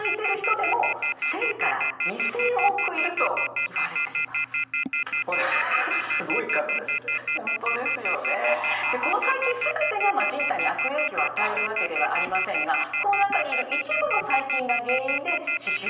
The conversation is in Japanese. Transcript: でこの細菌全てが人体に悪影響を与えるわけではありませんがこの中にいる一部の細菌が原因で歯周病だとか虫歯を引き起こすわけです。